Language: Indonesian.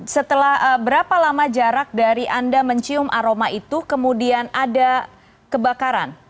setelah berapa lama jarak dari anda mencium aroma itu kemudian ada kebakaran